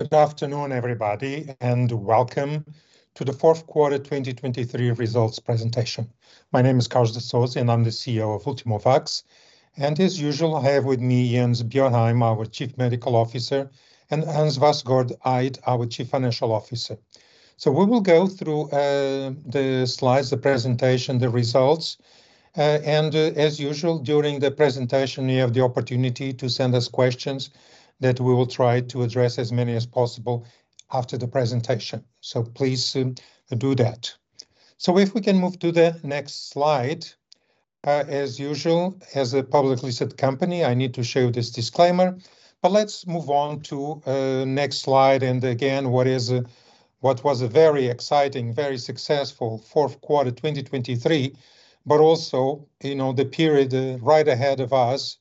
Good afternoon, everybody, and welcome to the fourth quarter 2023 results presentation. My name is Carlos de Sousa, and I'm the CEO of Ultimovacs. As usual, I have with me Jens Bjørheim, our Chief Medical Officer, and Hans Vassgård Eid, our Chief Financial Officer. We will go through the slides, the presentation, the results. As usual, during the presentation you have the opportunity to send us questions that we will try to address as many as possible after the presentation, so please do that. If we can move to the next slide. As usual, as a publicly listed company, I need to share this disclaimer, but let's move on to next slide. Again, what is, what was a very exciting, very successful fourth quarter 2023, but also, you know, the period, right ahead of us,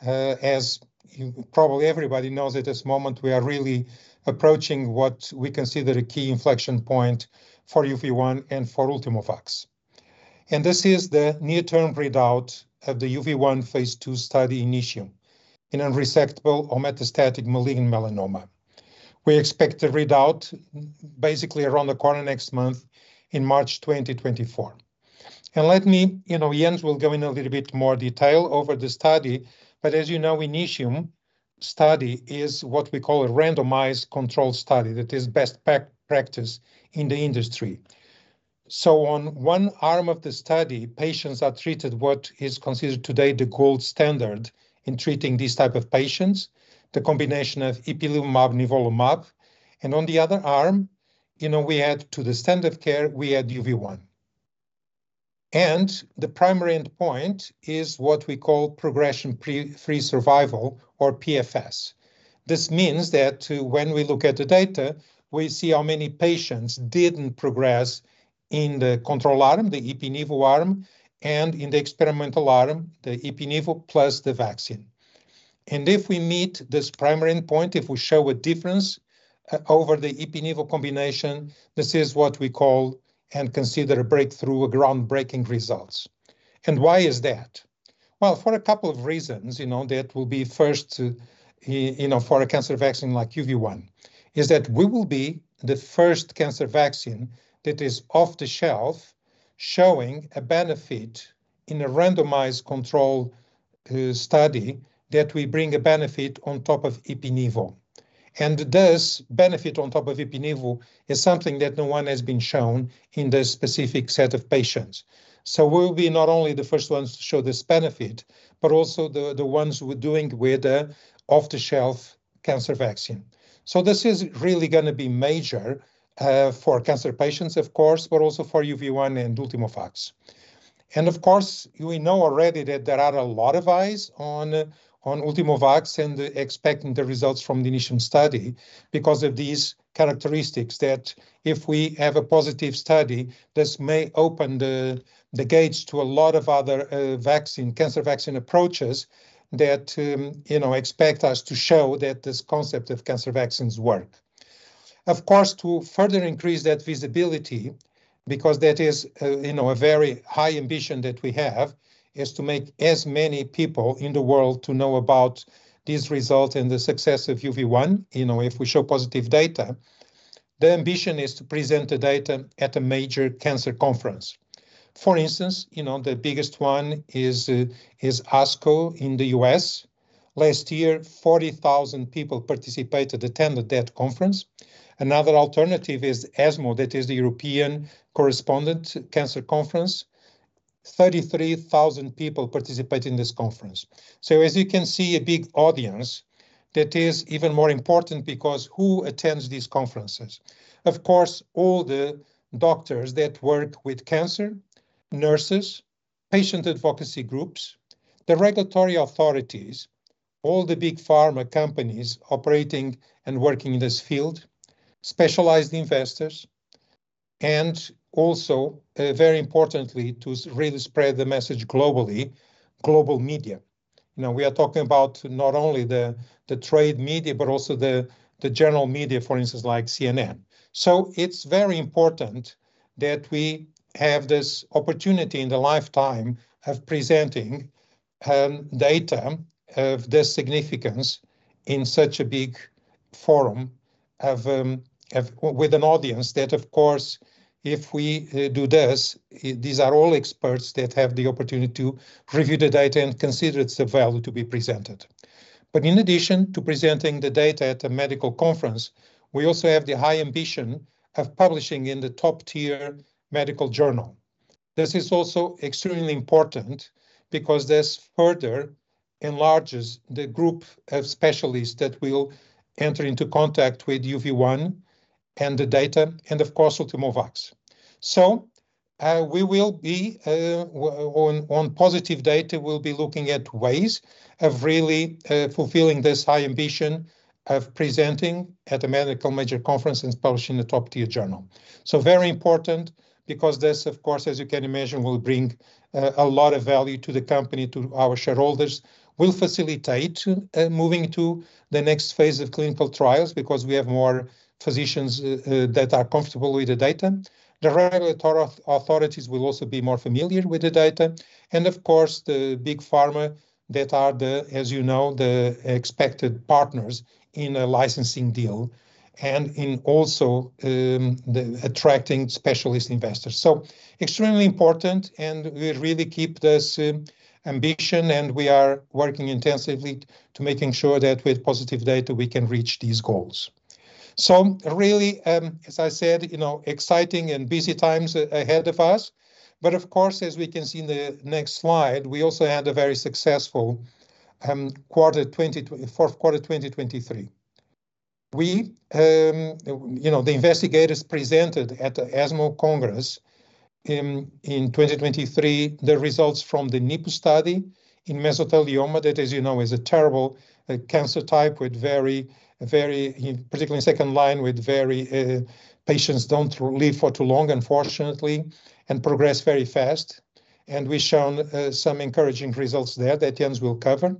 as you probably everybody knows it, this moment we are really approaching what we consider a key inflection point for UV1 and for Ultimovacs. This is the near-term readout of the UV1 phase II study INITIUM in unresectable metastatic malignant melanoma. We expect the readout basically around the corner next month, in March 2024. Let me, you know, Jens will go in a little bit more detail over the study, but as you know, INITIUM study is what we call a randomized controlled study that is best practice in the industry. So on one arm of the study, patients are treated what is considered today the gold standard in treating these types of patients, the combination of ipilimumab/nivolumab. On the other arm, you know, we add to the standard of care, we add UV1. The primary endpoint is what we call progression-free survival, or PFS. This means that when we look at the data, we see how many patients didn't progress in the control arm, the ipi-nivo arm, and in the experimental arm, the ipi-nivo plus the vaccine. If we meet this primary endpoint, if we show a difference over the ipi-nivo combination, this is what we call and consider a breakthrough, a groundbreaking results. Why is that? Well, for a couple of reasons, you know, that will be first, you know, for a cancer vaccine like UV1, is that we will be the first cancer vaccine that is off the shelf showing a benefit in a randomized controlled study that we bring a benefit on top of ipi-nivo. This benefit on top of ipi-nivo is something that no one has been shown in this specific set of patients. So we'll be not only the first ones to show this benefit, but also the ones who are doing with off-the-shelf cancer vaccine. So this is really going to be major for cancer patients, of course, but also for UV1 and Ultimovacs. And of course, we know already that there are a lot of eyes on Ultimovacs and expecting the results from the INITIUM study because of these characteristics that if we have a positive study, this may open the gates to a lot of other cancer vaccine approaches that, you know, expect us to show that this concept of cancer vaccines work. Of course, to further increase that visibility, because that is, you know, a very high ambition that we have, is to make as many people in the world know about these results and the success of UV1. You know, if we show positive data, the ambition is to present the data at a major cancer conference. For instance, you know, the biggest one is ASCO in the U.S. Last year, 40,000 people participated, attended that conference. Another alternative is ESMO, that is the European Society for Medical Oncology. 33,000 people participate in this conference. So as you can see, a big audience that is even more important because who attends these conferences? Of course, all the doctors that work with cancer, nurses, patient advocacy groups, the regulatory authorities, all the big pharma companies operating and working in this field, specialized investors, and also, very importantly, to really spread the message globally, global media. You know, we are talking about not only the trade media, but also the general media, for instance, like CNN. So it's very important that we have this opportunity in the lifetime of presenting data of this significance in such a big forum with an audience that, of course, if we do this, these are all experts that have the opportunity to review the data and consider it's a value to be presented. But in addition to presenting the data at a medical conference, we also have the high ambition of publishing in the top-tier medical journal. This is also extremely important because this further enlarges the group of specialists that will enter into contact with UV1 and the data and, of course, Ultimovacs. So, we will be, on positive data, we'll be looking at ways of really fulfilling this high ambition of presenting at a medical major conference and publishing in the top-tier journal. So very important because this, of course, as you can imagine, will bring a lot of value to the company, to our shareholders, will facilitate moving to the next phase of clinical trials because we have more physicians that are comfortable with the data. The regulatory authorities will also be more familiar with the data. And of course, the big pharma that are the, as you know, the expected partners in a licensing deal and in also the attracting specialist investors. So extremely important, and we really keep this ambition, and we are working intensively to making sure that with positive data we can reach these goals. So really, as I said, you know, exciting and busy times ahead of us. But of course, as we can see in the next slide, we also had a very successful quarter 2024, quarter 2023. We, you know, the investigators presented at the ESMO Congress in 2023 the results from the NIPU study in mesothelioma that, as you know, is a terrible cancer type with very, very, particularly in second line, with very patients don't live for too long, unfortunately, and progress very fast. And we've shown some encouraging results there that Jens will cover.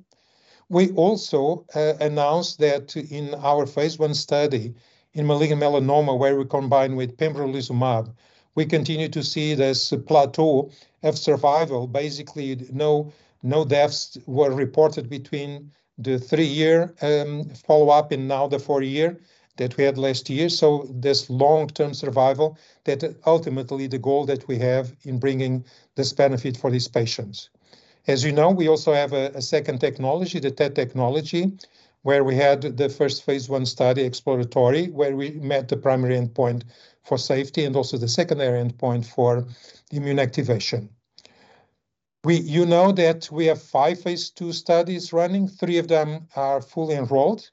We also announced that in our phase I study in malignant melanoma where we combine with pembrolizumab, we continue to see this plateau of survival. Basically, no deaths were reported between the three-year follow-up and now the four-year that we had last year. So this long-term survival that ultimately the goal that we have in bringing this benefit for these patients. As you know, we also have a second technology, the TET technology, where we had the first phase I study, exploratory, where we met the primary endpoint for safety and also the secondary endpoint for immune activation. We, you know, that we have five phase II studies running. Three of them are fully enrolled.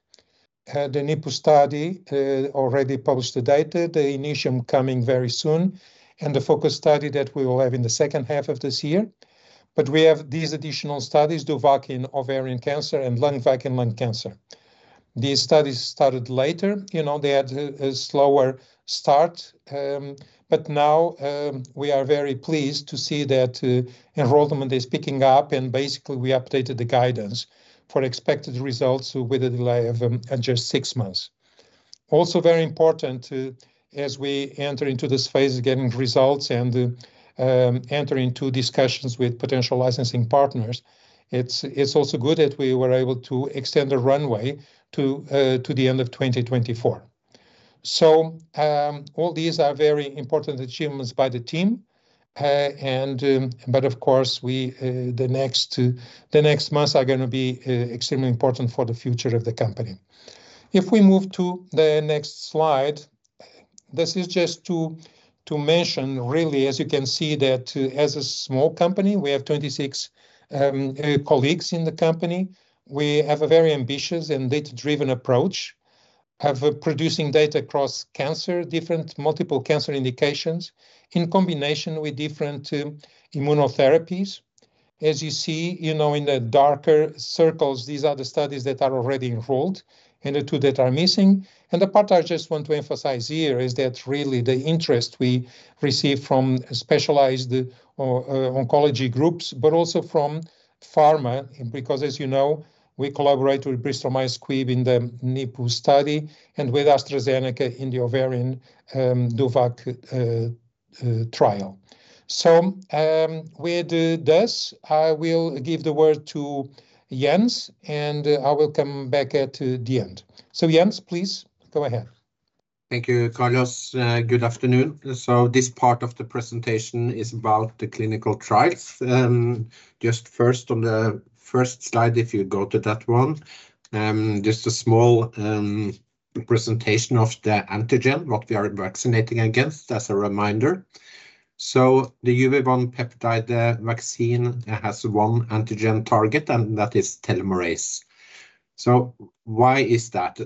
The NIPU study already published the data, the INITIUM coming very soon, and the FOCUS study that we will have in the second half of this year. But we have these additional studies, DOVACC in ovarian cancer and LUNGVAC in lung cancer. These studies started later. You know, they had a slower start. But now, we are very pleased to see that enrollment is picking up, and basically we updated the guidance for expected results with a delay of just six months. Also very important, as we enter into this phase of getting results and enter into discussions with potential licensing partners, it's also good that we were able to extend the runway to the end of 2024. So, all these are very important achievements by the team. But of course we, the next months are going to be extremely important for the future of the company. If we move to the next slide, this is just to mention really, as you can see, that as a small company, we have 26 colleagues in the company. We have a very ambitious and data-driven approach of producing data across cancer, different multiple cancer indications in combination with different immunotherapies. As you see, you know, in the darker circles, these are the studies that are already enrolled and the two that are missing. And the part I just want to emphasize here is that really the interest we receive from specialized or oncology groups, but also from pharma, because as you know, we collaborate with Bristol-Myers Squibb in the NIPU study and with AstraZeneca in the ovarian DOVACC trial. So, with this, I will give the word to Jens, and I will come back at the end. So Jens, please go ahead. Thank you, Carlos. Good afternoon. So this part of the presentation is about the clinical trials. Just first on the first slide, if you go to that one, just a small presentation of the antigen, what we are vaccinating against as a reminder. So the UV1 peptide vaccine has one antigen target, and that is telomerase. So why is that?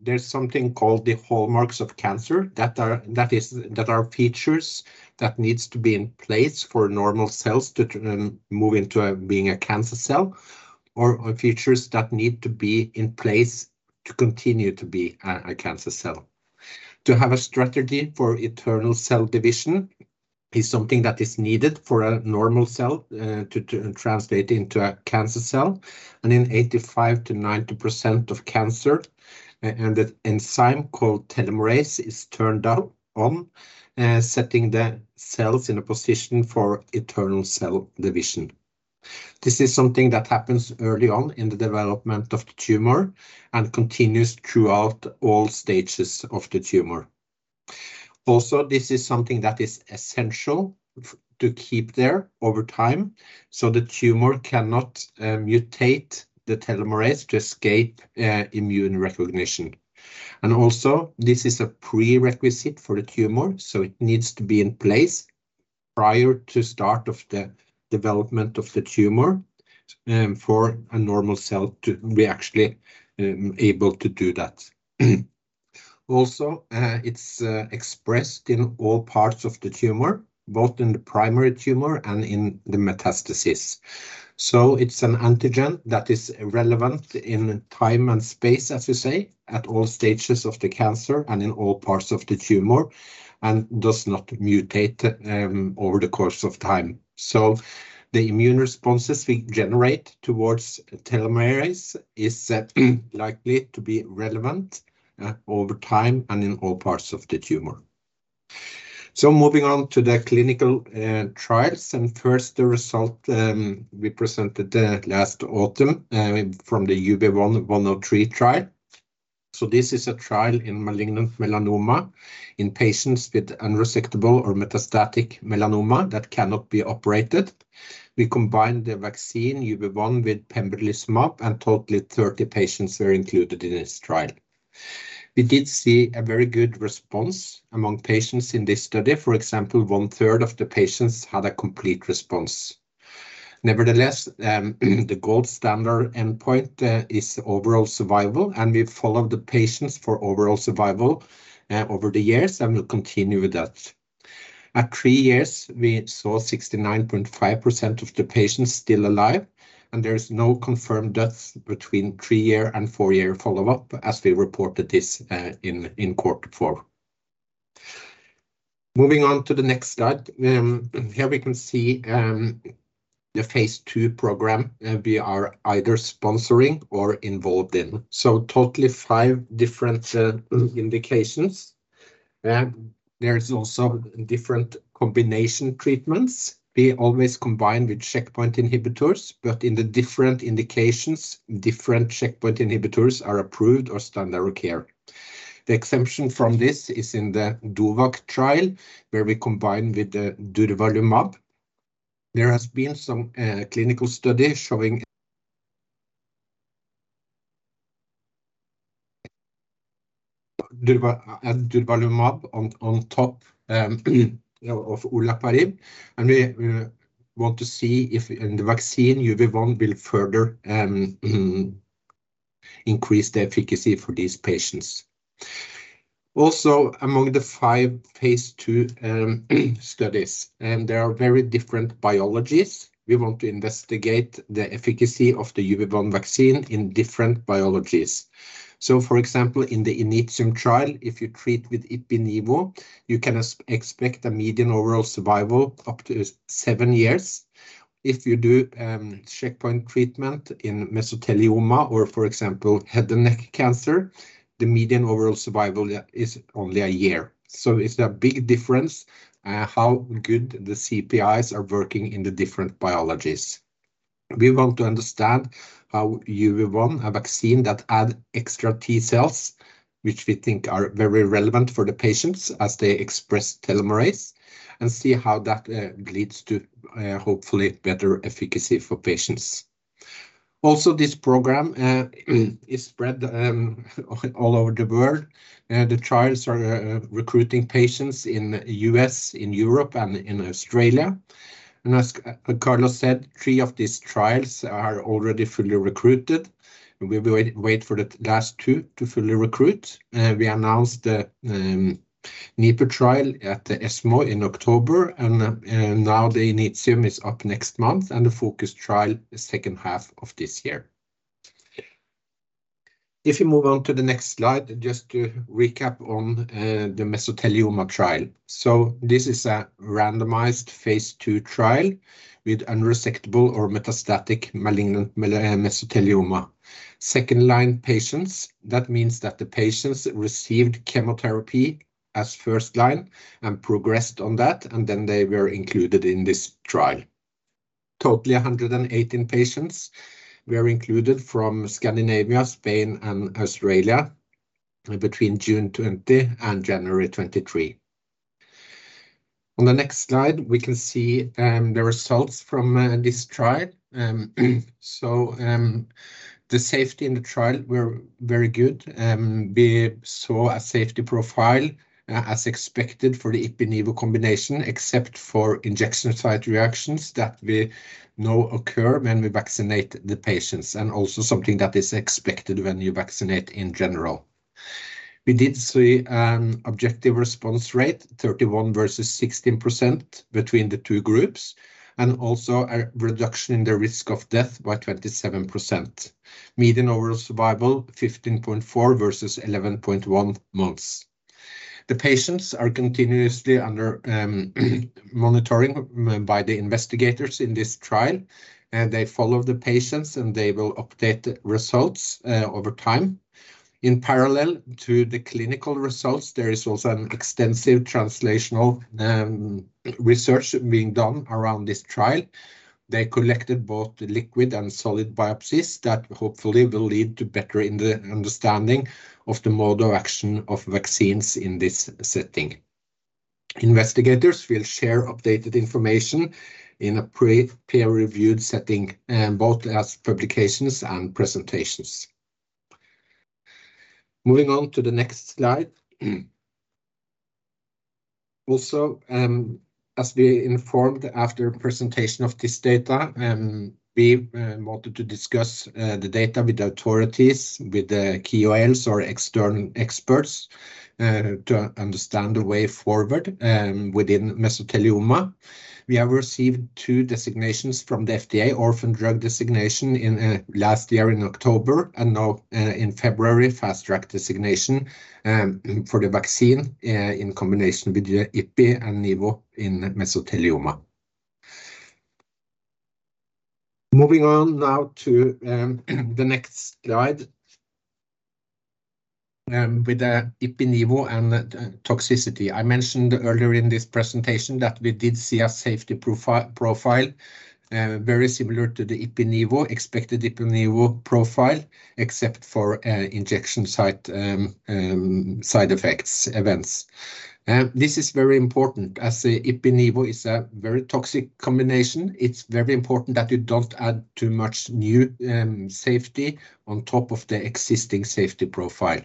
There's something called the hallmarks of cancer that are that is that are features that needs to be in place for normal cells to move into being a cancer cell or features that need to be in place to continue to be a cancer cell. To have a strategy for eternal cell division is something that is needed for a normal cell to translate into a cancer cell. In 85%-90% of cancer, the enzyme called telomerase is turned up on, setting the cells in a position for eternal cell division. This is something that happens early on in the development of the tumor and continues throughout all stages of the tumor. Also, this is something that is essential to keep there over time so the tumor cannot mutate the telomerase to escape immune recognition. Also, this is a prerequisite for the tumor, so it needs to be in place prior to the start of the development of the tumor, for a normal cell to be actually able to do that. Also, it's expressed in all parts of the tumor, both in the primary tumor and in the metastasis. So it's an antigen that is relevant in time and space, as you say, at all stages of the cancer and in all parts of the tumor and does not mutate over the course of time. So the immune responses we generate towards telomerase is likely to be relevant over time and in all parts of the tumor. So moving on to the clinical trials. And first, the result we presented last autumn from the UV1-103 trial. So this is a trial in malignant melanoma in patients with unresectable or metastatic melanoma that cannot be operated. We combined the vaccine UV1 with pembrolizumab, and totally 30 patients were included in this trial. We did see a very good response among patients in this study. For example, one-third of the patients had a complete response. Nevertheless, the gold standard endpoint is overall survival, and we follow the patients for overall survival over the years and will continue with that. At three years, we saw 69.5% of the patients still alive, and there is no confirmed death between three-year and four-year follow-up, as we reported this in quarter four. Moving on to the next slide. Here we can see the phase II program we are either sponsoring or involved in. So totally five different indications. There is also different combination treatments. We always combine with checkpoint inhibitors, but in the different indications, different checkpoint inhibitors are approved or standard of care. The exemption from this is in the DOVACC trial, where we combine with durvalumab. There has been some clinical study showing durvalumab on top of olaparib, and we want to see if in the vaccine UV1 will further increase the efficacy for these patients. Also, among the five phase II studies, there are very different biologies. We want to investigate the efficacy of the UV1 vaccine in different biologies. So, for example, in the INITIUM trial, if you treat with ipi-nivo, you can expect a median overall survival up to seven years. If you do checkpoint treatment in mesothelioma or, for example, head and neck cancer, the median overall survival is only a year. So it's a big difference, how good the CPIs are working in the different biologies. We want to understand how UV1, a vaccine that adds extra T cells, which we think are very relevant for the patients as they express telomerase, and see how that leads to hopefully better efficacy for patients. Also, this program is spread all over the world. The trials are recruiting patients in the U.S., in Europe, and in Australia. As Carlos said, three of these trials are already fully recruited. We wait for the last two to fully recruit. We announced the NIPU trial at the ESMO in October, and now the INITIUM is up next month and the FOCUS trial second half of this year. If you move on to the next slide, just to recap on the mesothelioma trial. So this is a randomized phase II trial with unresectable or metastatic malignant mesothelioma. Second-line patients, that means that the patients received chemotherapy as first-line and progressed on that, and then they were included in this trial. Totally 118 patients were included from Scandinavia, Spain, and Australia between June 20 and January 23. On the next slide, we can see the results from this trial. The safety in the trial were very good. We saw a safety profile, as expected for the ipi-nivo combination, except for injection site reactions that we know occur when we vaccinate the patients, and also something that is expected when you vaccinate in general. We did see objective response rate 31% versus 16% between the two groups, and also a reduction in the risk of death by 27%. Median overall survival 15.4 versus 11.1 months. The patients are continuously under monitoring by the investigators in this trial. They follow the patients, and they will update the results over time. In parallel to the clinical results, there is also an extensive translational research being done around this trial. They collected both liquid and solid biopsies that hopefully will lead to better understanding of the mode of action of vaccines in this setting. Investigators will share updated information in a peer-reviewed setting, both as publications and presentations. Moving on to the next slide. Also, as we informed after presentation of this data, we wanted to discuss the data with authorities, with the KOLs or external experts, to understand the way forward within mesothelioma. We have received two designations from the FDA, Orphan Drug Designation in last year in October and now in February, Fast Track Designation, for the vaccine in combination with the Ipi and Nivo in mesothelioma. Moving on now to the next slide. With the ipi-nivo and toxicity, I mentioned earlier in this presentation that we did see a safety profile very similar to the expected ipi-nivo profile, except for injection site side effects events. This is very important as the ipi-nivo is a very toxic combination. It's very important that you don't add too much new safety on top of the existing safety profile.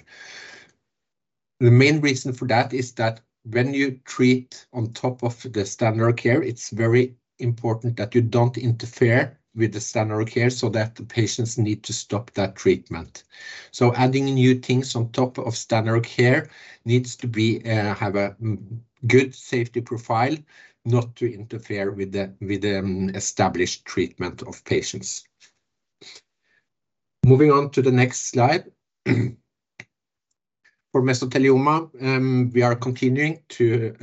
The main reason for that is that when you treat on top of the standard of care, it's very important that you don't interfere with the standard of care so that the patients need to stop that treatment. So adding new things on top of standard of care needs to be have a good safety profile, not to interfere with the established treatment of patients. Moving on to the next slide. For mesothelioma, we are continuing to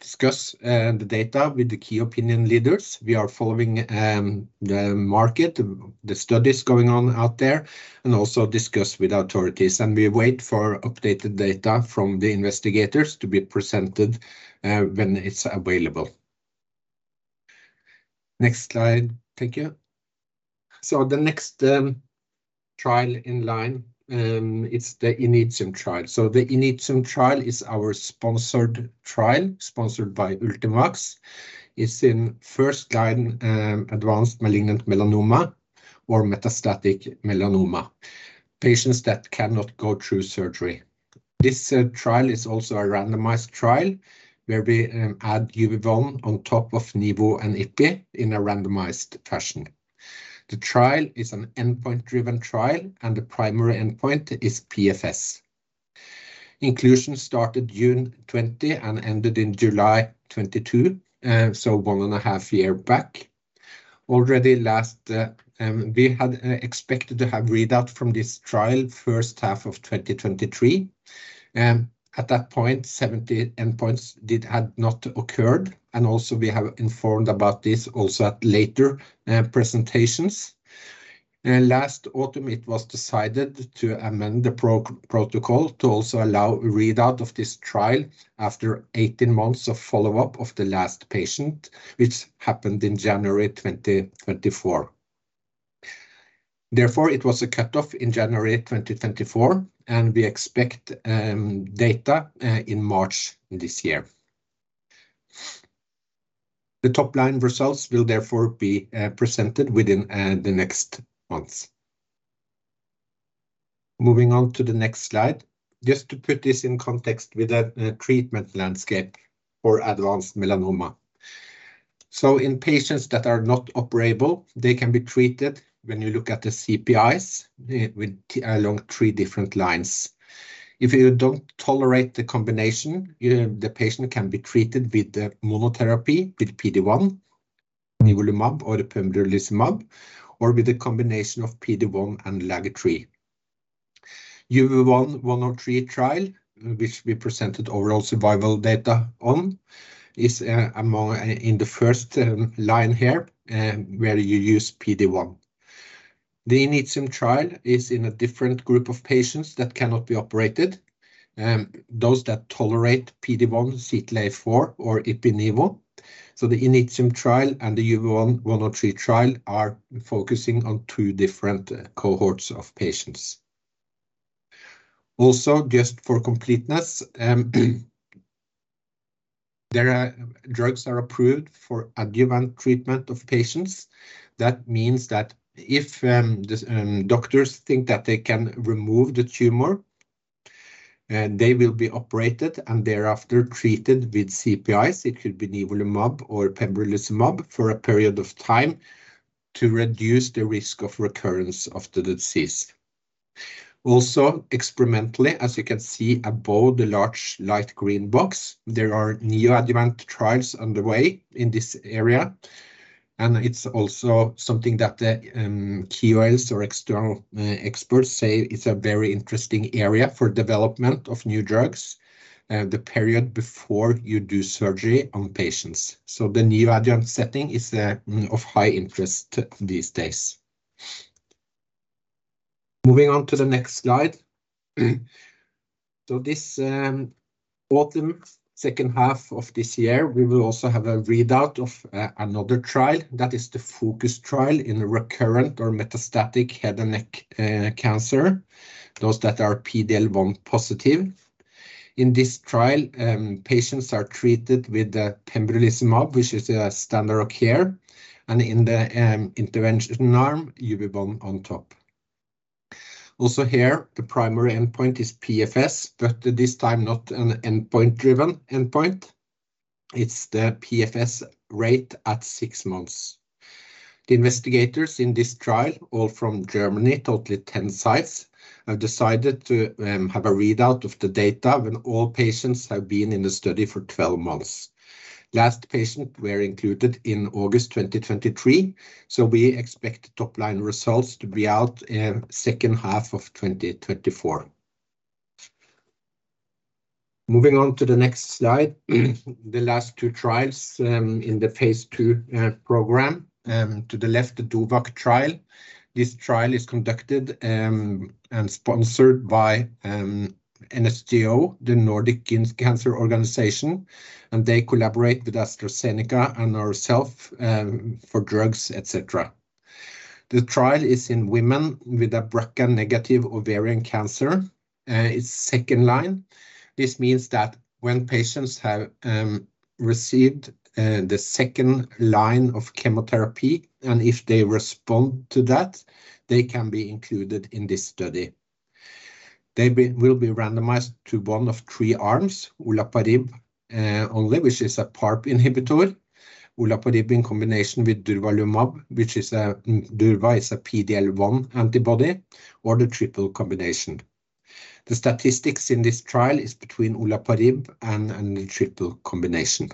discuss the data with the key opinion leaders. We are following the market, the studies going on out there, and also discuss with authorities. We wait for updated data from the investigators to be presented, when it's available. Next slide. Thank you. So the next trial in line, it's the INITIUM trial. So the INITIUM trial is our sponsored trial, sponsored by Ultimovacs. It's in first-line advanced malignant melanoma or metastatic melanoma, patients that cannot go through surgery. This trial is also a randomized trial where we add UV1 on top of Nivo and Ipi in a randomized fashion. The trial is an endpoint-driven trial, and the primary endpoint is PFS. Inclusion started June 2020 and ended in July 2022, so one and a half years back. Already last we had expected to have readout from this trial first half of 2023. At that point, 70 endpoints had not occurred. Also, we have informed about this also at later presentations. Last autumn, it was decided to amend the protocol to also allow readout of this trial after 18 months of follow-up of the last patient, which happened in January 2024. Therefore, it was a cutoff in January 2024, and we expect data in March this year. The top-line results will therefore be presented within the next months. Moving on to the next slide, just to put this in context with a treatment landscape for advanced melanoma. So in patients that are not operable, they can be treated when you look at the CPIs with along three different lines. If you don't tolerate the combination, you, the patient can be treated with the monotherapy with PD-1, nivolumab or pembrolizumab, or with a combination of PD-1 and LAG-3. UV1-103 trial, which we presented overall survival data on, is among in the first line here, where you use PD-1. The INITIUM trial is in a different group of patients that cannot be operated, those that tolerate PD-1, CTLA-4, or ipilimumab. So the INITIUM trial and the UV1-103 trial are focusing on two different cohorts of patients. Also, just for completeness, there are drugs that are approved for adjuvant treatment of patients. That means that if the doctors think that they can remove the tumor, they will be operated and thereafter treated with CPIs. It could be nivolumab or pembrolizumab for a period of time to reduce the risk of recurrence of the disease. Also, experimentally, as you can see above the large light green box, there are neoadjuvant trials underway in this area. It's also something that the KOLs or external experts say it's a very interesting area for development of new drugs, the period before you do surgery on patients. So the neoadjuvant setting is of high interest these days. Moving on to the next slide. So this autumn, second half of this year, we will also have a readout of another trial. That is the FOCUS trial in recurrent or metastatic head and neck cancer, those that are PD-L1 positive. In this trial, patients are treated with pembrolizumab, which is a standard of care, and in the intervention arm, UV1 on top. Also here, the primary endpoint is PFS, but this time not an endpoint-driven endpoint. It's the PFS rate at six months. The investigators in this trial, all from Germany, total 10 sites, have decided to have a readout of the data when all patients have been in the study for 12 months. Last patient were included in August 2023. So we expect top-line results to be out, second half of 2024. Moving on to the next slide. The last two trials, in the phase II program, to the left, the DOVACC trial. This trial is conducted, and sponsored by, NSGO, the Nordic Society of Gynaecological Oncology, and they collaborate with AstraZeneca and ourselves, for drugs, etc. The trial is in women with a BRCA-negative ovarian cancer. It's second line. This means that when patients have, received, the second line of chemotherapy and if they respond to that, they can be included in this study. They will be randomized to one of three arms, olaparib only, which is a PARP inhibitor, olaparib in combination with durvalumab, which is a PD-L1 antibody, or the triple combination. The statistics in this trial are between olaparib and the triple combination.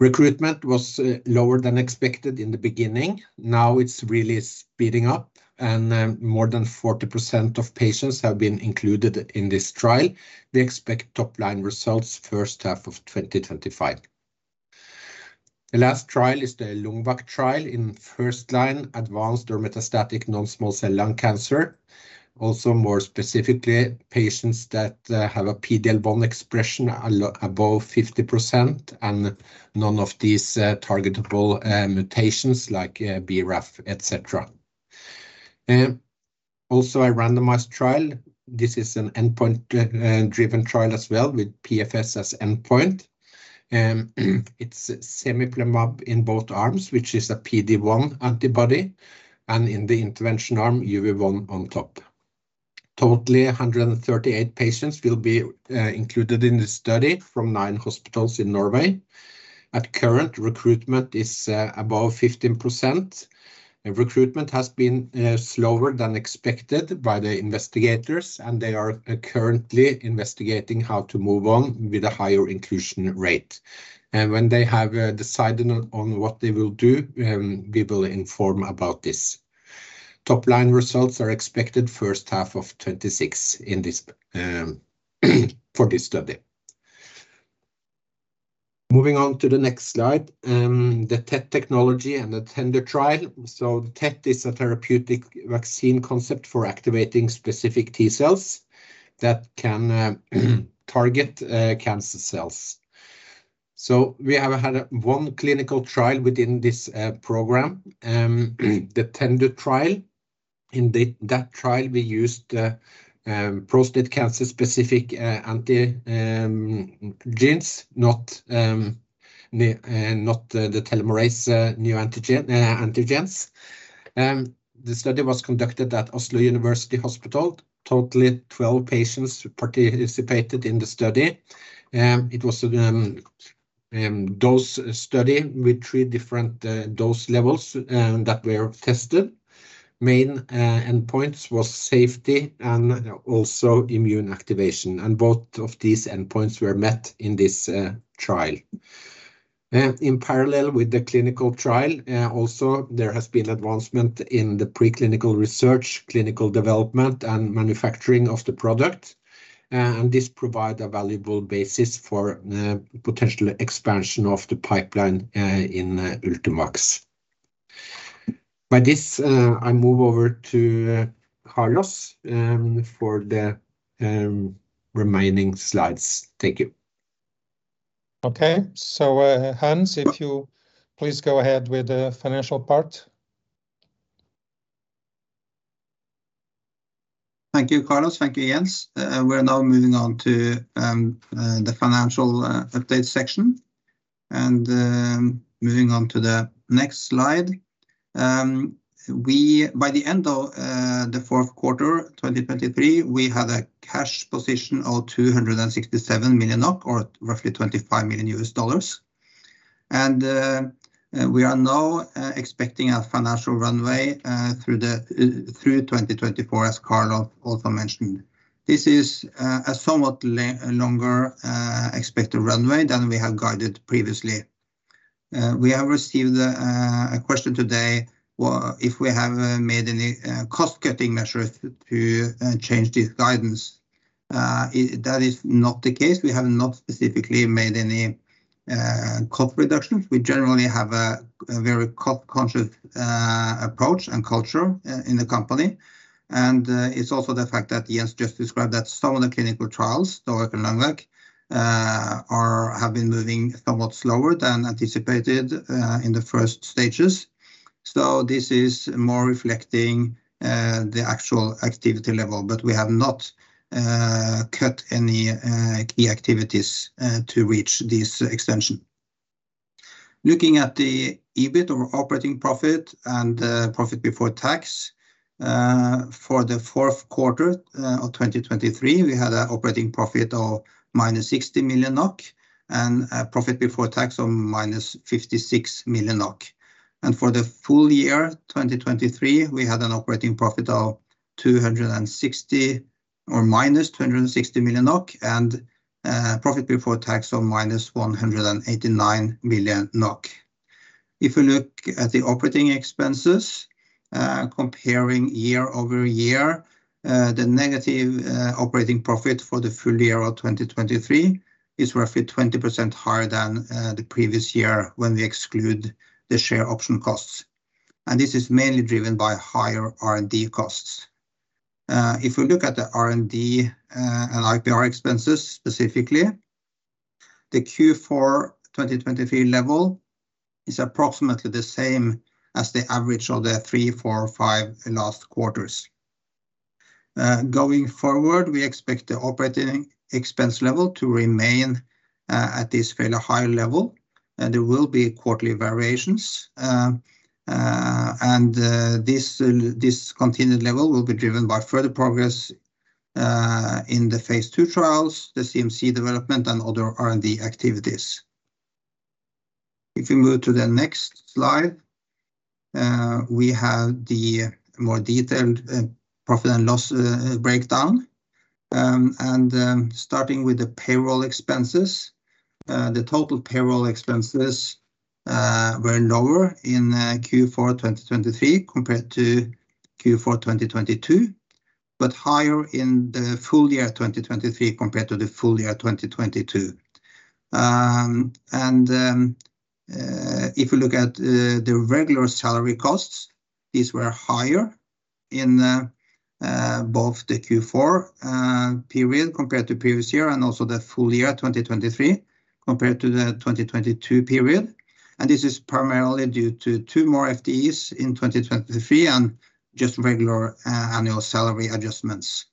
Recruitment was lower than expected in the beginning. Now it's really speeding up, and more than 40% of patients have been included in this trial. We expect top-line results first half of 2025. The last trial is the LUNGVAC trial in first-line advanced or metastatic non-small cell lung cancer. Also, more specifically, patients that have a PD-L1 expression above 50% and none of these targetable mutations like BRAF, etc. also a randomized trial. This is an endpoint-driven trial as well with PFS as endpoint. It's cemiplimab in both arms, which is a PD-1 antibody, and in the intervention arm, UV1 on top. Totally 138 patients will be included in this study from nine hospitals in Norway. Currently, recruitment is above 15%. Recruitment has been slower than expected by the investigators, and they are currently investigating how to move on with a higher inclusion rate. When they have decided on what they will do, we will inform about this. Top-line results are expected first half of 2026 for this study. Moving on to the next slide, the TET technology and the TENDU trial. So TET is a therapeutic vaccine concept for activating specific T cells that can target cancer cells. So we have had one clinical trial within this program, the TENDU trial. In that trial, we used prostate cancer-specific antigens, not the telomerase neoantigens. The study was conducted at Oslo University Hospital. Totally 12 patients participated in the study. It was a dose study with three different dose levels that were tested. Main endpoints were safety and also immune activation. Both of these endpoints were met in this trial. In parallel with the clinical trial, also there has been advancement in the preclinical research, clinical development, and manufacturing of the product. This provides a valuable basis for potential expansion of the pipeline in Ultimovacs. With this, I move over to Carlos for the remaining slides. Thank you. Okay. So, Hans, if you please go ahead with the financial part. Thank you, Carlos. Thank you, Jens. We're now moving on to the financial update section and moving on to the next slide. We, by the end of the fourth quarter 2023, we had a cash position of 267 million NOK or roughly $25 million. We are now expecting a financial runway through 2024, as Carlos also mentioned. This is a somewhat longer expected runway than we have guided previously. We have received a question today, what if we have made any cost-cutting measures to change this guidance. That is not the case. We have not specifically made any cost reductions. We generally have a very cost-conscious approach and culture in the company. And it's also the fact that Jens just described that some of the clinical trials, DOVACC and LUNGVAC, have been moving somewhat slower than anticipated, in the first stages. So this is more reflecting the actual activity level, but we have not cut any key activities to reach this extension. Looking at the EBIT or operating profit and profit before tax for the fourth quarter of 2023, we had an operating profit of -60 million NOK and a profit before tax of -56 million NOK. For the full year 2023, we had an operating profit of 260 million or -260 million NOK and profit before tax of -189 million NOK. If we look at the operating expenses, comparing year-over-year, the negative operating profit for the full year of 2023 is roughly 20% higher than the previous year when we exclude the share option costs. This is mainly driven by higher R&D costs. If we look at the R&D and IPR expenses specifically, the Q4 2023 level is approximately the same as the average of the three, four, five last quarters. Going forward, we expect the operating expense level to remain at this fairly high level. There will be quarterly variations. This continued level will be driven by further progress in the phase II trials, the CMC development, and other R&D activities. If we move to the next slide, we have the more detailed profit and loss breakdown. Starting with the payroll expenses, the total payroll expenses were lower in Q4 2023 compared to Q4 2022, but higher in the full year 2023 compared to the full year 2022. If we look at the regular salary costs, these were higher in both the Q4 period compared to previous year and also the full year 2023 compared to the 2022 period. And this is primarily due to two more FTEs in 2023 and just regular annual salary adjustments.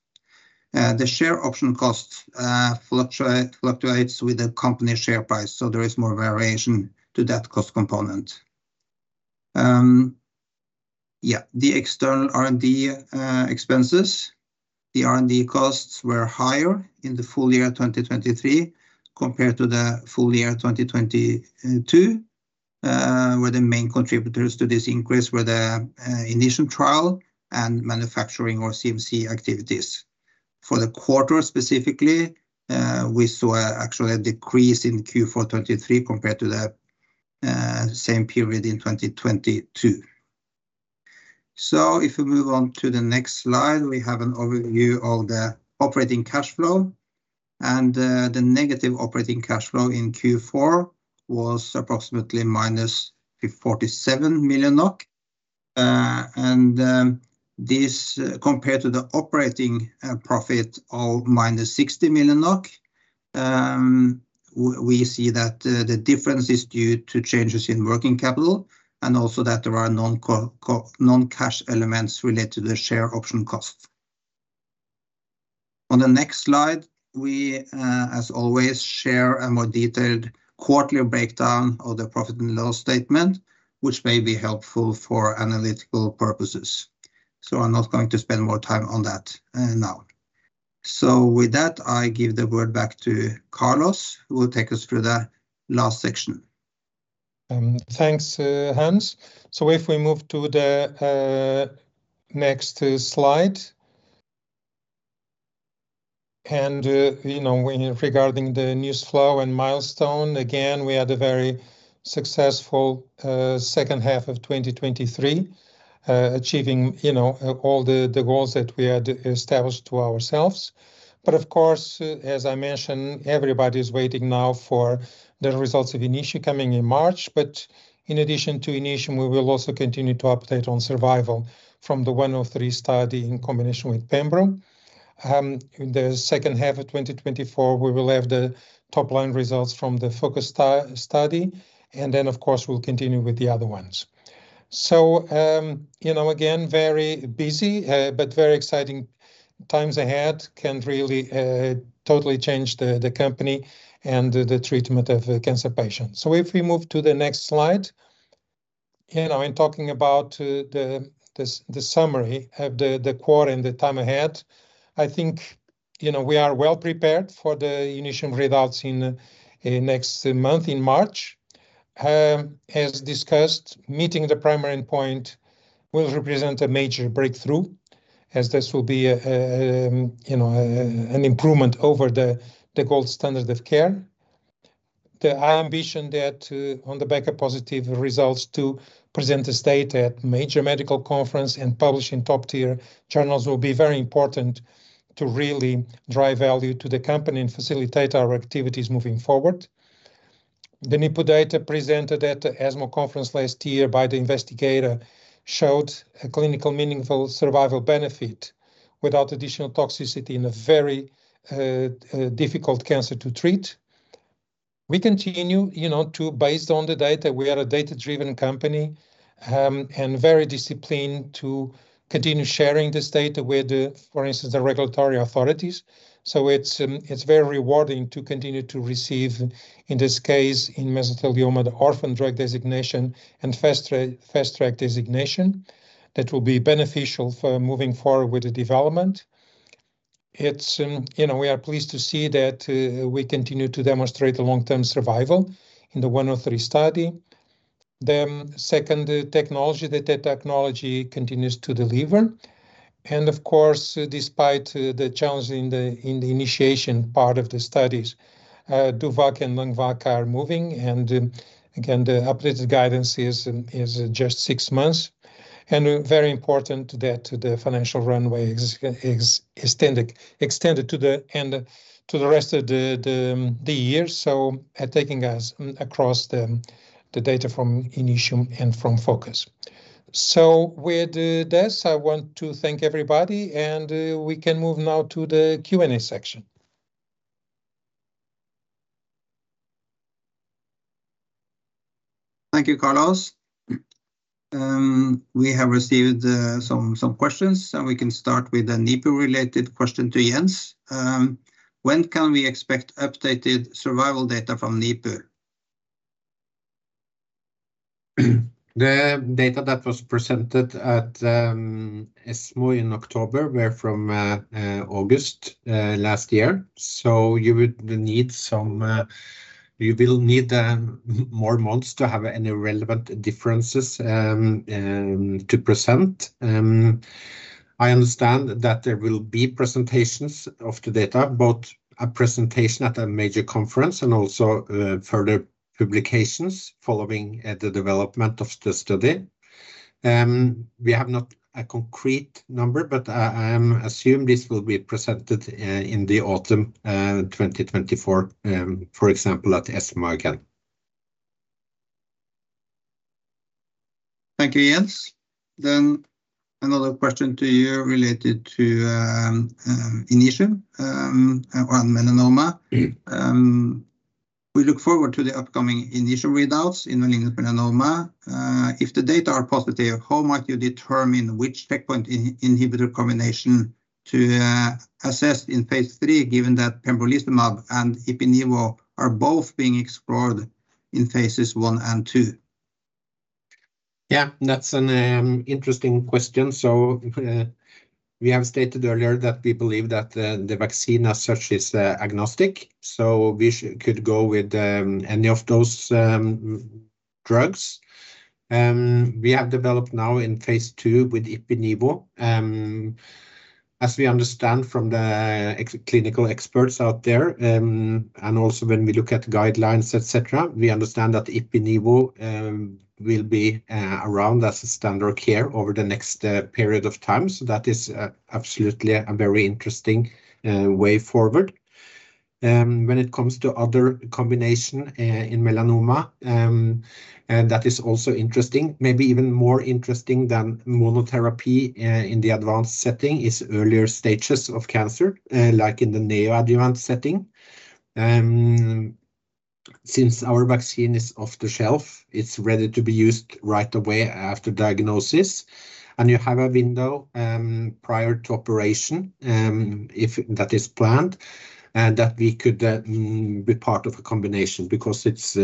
The share option cost fluctuates with the company share price. So there is more variation to that cost component. Yeah, the external R&D expenses, the R&D costs were higher in the full year 2023 compared to the full year 2022, where the main contributors to this increase were the initial trial and manufacturing or CMC activities. For the quarter specifically, we saw actually a decrease in Q4 2023 compared to the same period in 2022. So if we move on to the next slide, we have an overview of the operating cash flow. The negative operating cash flow in Q4 was approximately -47 million NOK. This compared to the operating profit of -60 million NOK, we see that the difference is due to changes in working capital and also that there are non-cash elements related to the share option cost. On the next slide, we as always share a more detailed quarterly breakdown of the profit and loss statement, which may be helpful for analytical purposes. So I'm not going to spend more time on that now. So with that, I give the word back to Carlos, who will take us through the last section. Thanks, Hans. So if we move to the next slide. And you know, regarding the news flow and milestone, again, we had a very successful second half of 2023, achieving you know all the goals that we had established to ourselves. But of course, as I mentioned, everybody is waiting now for the results of INITIUM coming in March. But in addition to INITIUM, we will also continue to update on survival from the 103 study in combination with Pembro. The second half of 2024, we will have the top-line results from the FOCUS study and then, of course, we'll continue with the other ones. So, you know, again, very busy, but very exciting times ahead can really, totally change the company and the treatment of cancer patients. So if we move to the next slide, you know, in talking about the summary of the quarter and the time ahead, I think, you know, we are well prepared for the initial results in the next month, in March. As discussed, meeting the primary endpoint will represent a major breakthrough, as this will be a, you know, an improvement over the gold standard of care. The ambition that, on the back of positive results, to present this data at major medical conference and publish in top-tier journals will be very important to really drive value to the company and facilitate our activities moving forward. The NIPU data presented at the ESMO conference last year by the investigator showed a clinical meaningful survival benefit without additional toxicity in a very, difficult cancer to treat. We continue, you know, to, based on the data, we are a data-driven company, and very disciplined to continue sharing this data with, for instance, the regulatory authorities. So it's, it's very rewarding to continue to receive, in this case, in mesothelioma, the orphan drug designation and Fast Track designation that will be beneficial for moving forward with the development. It's, you know, we are pleased to see that, we continue to demonstrate long-term survival in the 103 study. The second technology, the TET technology, continues to deliver. And of course, despite the challenge in the initiation part of the studies, DOVACC and LUNGVAC are moving. And again, the updated guidance is just six months. And very important that the financial runway is extended to the end of the rest of the year. So taking us across the data from INITIUM and from FOCUS. So with this, I want to thank everybody, and we can move now to the Q&A section. Thank you, Carlos. We have received some questions, and we can start with a NIPU-related question to Jens. When can we expect updated survival data from NIPU? The data that was presented at ESMO in October were from August last year. So you would need some, you will need, more months to have any relevant differences, to present. I understand that there will be presentations of the data, both a presentation at a major conference and also further publications following the development of the study. We have not a concrete number, but I assume this will be presented in the autumn 2024, for example, at ESMO again. Thank you, Jens. Then another question to you related to INITIUM or melanoma. We look forward to the upcoming INITIUM readouts in malignant melanoma. If the data are positive, how might you determine which checkpoint inhibitor combination to assess in phase III, given that pembrolizumab and ipi-nivo are both being explored in phases I and II? Yeah, that's an interesting question. So, we have stated earlier that we believe that the vaccine as such is agnostic. So we could go with any of those drugs. We have developed now in phase II with ipi-nivo. As we understand from the clinical experts out there, and also when we look at guidelines, etc., we understand that ipi-nivo will be around as a standard of care over the next period of time. So that is absolutely a very interesting way forward. When it comes to other combinations in melanoma, that is also interesting, maybe even more interesting than monotherapy. In the advanced setting is earlier stages of cancer, like in the neoadjuvant setting. Since our vaccine is off the shelf, it's ready to be used right away after diagnosis. And you have a window prior to operation, if that is planned, that we could be part of a combination because it's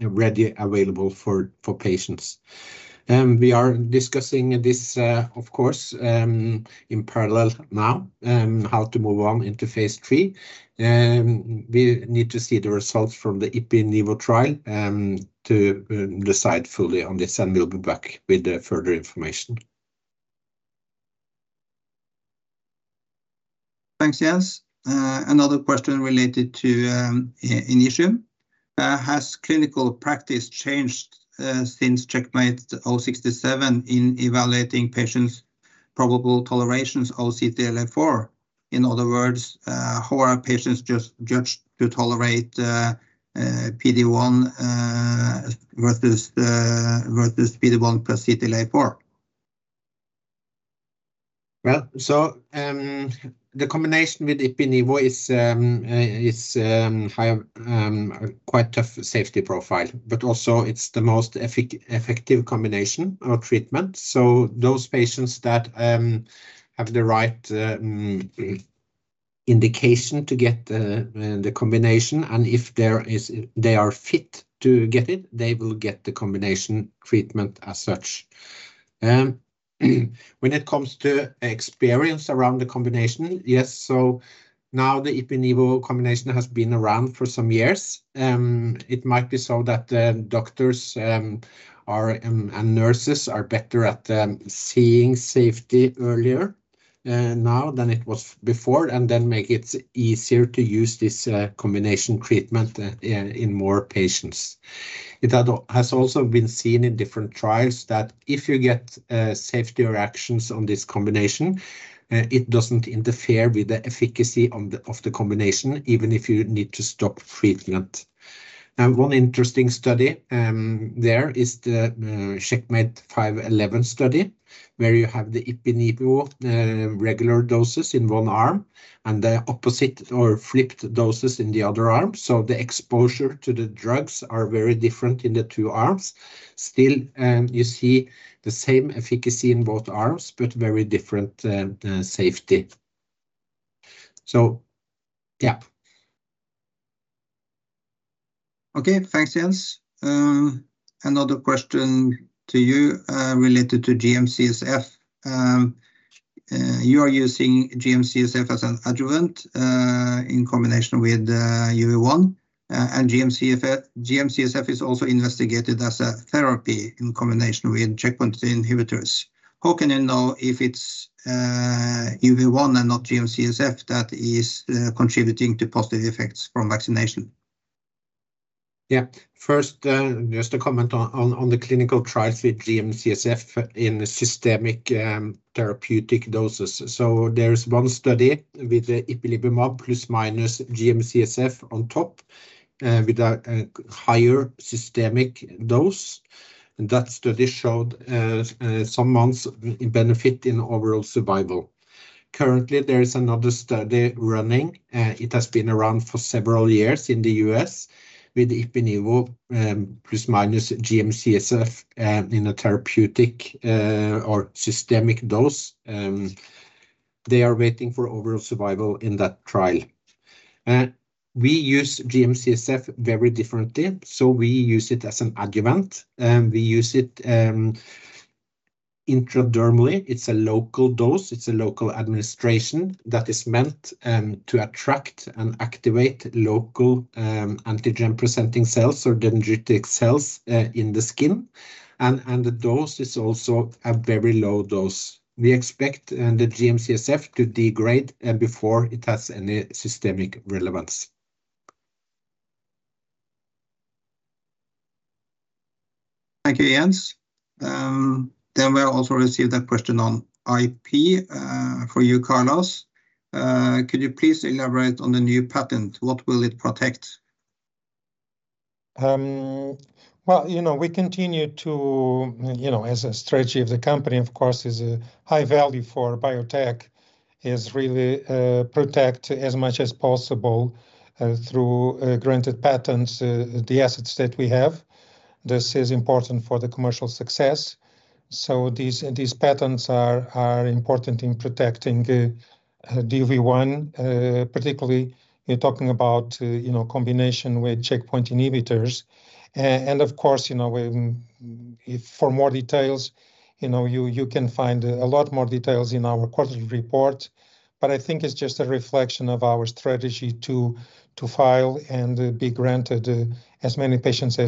ready available for patients. We are discussing this, of course, in parallel now, how to move on into phase III. We need to see the results from the ipi-nivo trial, to decide fully on this, and we'll be back with further information. Thanks, Jens. Another question related to INITIUM. Has clinical practice changed, since CheckMate 067 in evaluating patients' probable tolerability of CTLA-4? In other words, how are patients just judged to tolerate PD-1, versus, versus PD-1 plus CTLA-4? Well, so, the combination with ipi-nivo is higher, quite tough safety profile, but also it's the most effective combination of treatment. So those patients that have the right indication to get the combination, and if they are fit to get it, they will get the combination treatment as such. When it comes to experience around the combination, yes, so now the ipi-nivo combination has been around for some years. It might be so that the doctors and nurses are better at seeing safety earlier now than it was before, and then make it easier to use this combination treatment in more patients. It has also been seen in different trials that if you get safety reactions on this combination, it doesn't interfere with the efficacy of the combination, even if you need to stop treatment. And one interesting study, there is the CheckMate 511 study, where you have the ipi-nivo regular doses in one arm and the opposite or flipped doses in the other arm. So the exposure to the drugs are very different in the two arms. Still, you see the same efficacy in both arms, but very different safety. So, yeah. Okay, thanks, Jens. Another question to you, related to GM-CSF. You are using GM-CSF as an adjuvant in combination with UV1. GM-CSF is also investigated as a therapy in combination with checkpoint inhibitors. How can you know if it's UV1 and not GM-CSF that is contributing to positive effects from vaccination? Yeah, first, just a comment on the clinical trials with GM-CSF in systemic therapeutic doses. So there is one study with ipilimumab plus minus GM-CSF on top, with a higher systemic dose. That study showed some months in benefit in overall survival. Currently, there is another study running. It has been around for several years in the U.S. with ipilimumab, plus minus GM-CSF, in a therapeutic or systemic dose. They are waiting for overall survival in that trial. We use GM-CSF very differently. So we use it as an adjuvant. We use it intradermally. It's a local dose. It's a local administration that is meant to attract and activate local antigen-presenting cells or dendritic cells in the skin. And the dose is also a very low dose. We expect the GM-CSF to degrade before it has any systemic relevance. Thank you, Jens. Then we also received a question on IP for you, Carlos. Could you please elaborate on the new patent? What will it protect? Well, you know, we continue to, you know, as a strategy of the company, of course, is a high value for biotech is really protect as much as possible through granted patents the assets that we have. This is important for the commercial success. So these patents are important in protecting UV1, particularly you're talking about, you know, combination with checkpoint inhibitors. Of course, you know, for more details, you know, you can find a lot more details in our quarterly report. But I think it's just a reflection of our strategy to file and be granted as many patents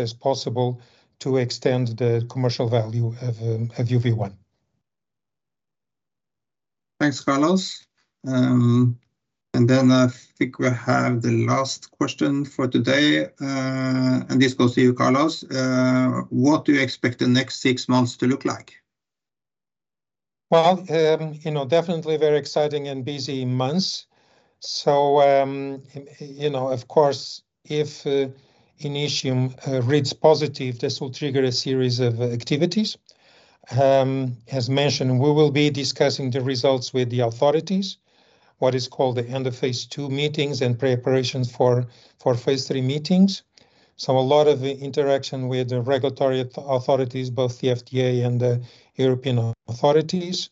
as possible to extend the commercial value of UV1. Thanks, Carlos. Then I think we have the last question for today. And this goes to you, Carlos. What do you expect the next six months to look like? Well, you know, definitely very exciting and busy months. So, you know, of course, if INITIUM reads positive, this will trigger a series of activities. As mentioned, we will be discussing the results with the authorities, what is called the end of phase II meetings and preparations for phase III meetings. So a lot of interaction with the regulatory authorities, both the FDA and the European authorities.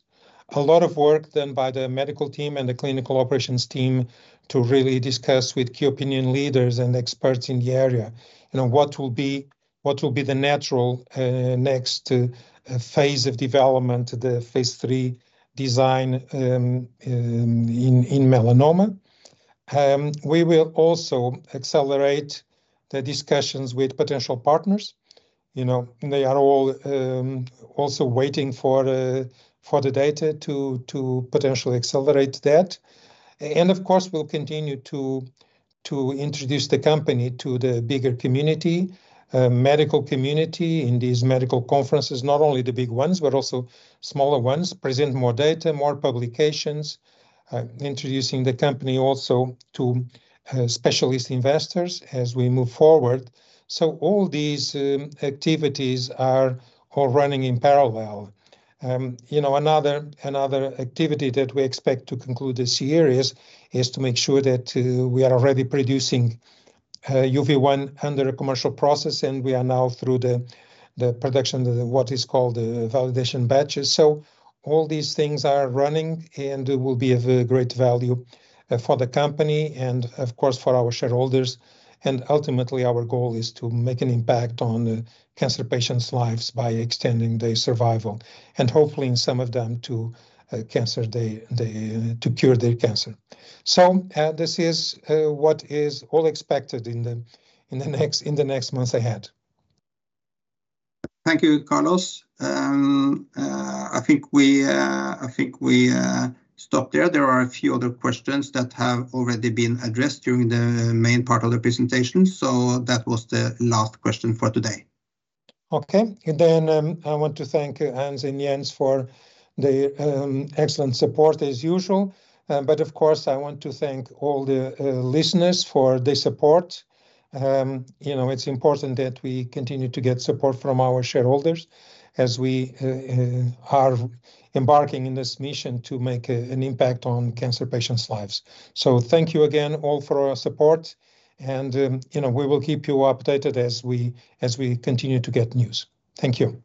A lot of work then by the medical team and the clinical operations team to really discuss with key opinion leaders and experts in the area, you know, what will be what will be the natural, next, phase of development, the phase III design in melanoma. We will also accelerate the discussions with potential partners. You know, they are all, also waiting for, for the data to to potentially accelerate that. Of course, we'll continue to to introduce the company to the bigger community, medical community in these medical conferences, not only the big ones, but also smaller ones, present more data, more publications, introducing the company also to, specialist investors as we move forward. All these, activities are all running in parallel. You know, another activity that we expect to conclude this year is to make sure that we are already producing UV1 under a commercial process, and we are now through the production of what is called the validation batches. So all these things are running, and it will be of a great value for the company and, of course, for our shareholders. And ultimately, our goal is to make an impact on cancer patients' lives by extending their survival and hopefully in some of them to cancer they to cure their cancer. So this is what is all expected in the next months ahead. Thank you, Carlos. I think we stop there. There are a few other questions that have already been addressed during the main part of the presentation. So that was the last question for today. Okay, then, I want to thank Hans and Jens for their excellent support as usual. But of course, I want to thank all the listeners for their support. You know, it's important that we continue to get support from our shareholders as we are embarking in this mission to make an impact on cancer patients' lives. So thank you again all for our support. And you know, we will keep you updated as we continue to get news. Thank you.